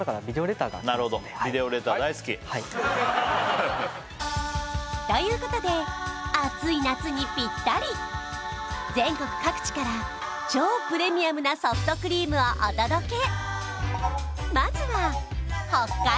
なるほどはいということで暑い夏にぴったり全国各地から超プレミアムなソフトクリームをお届け